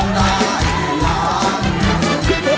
ได้ครับ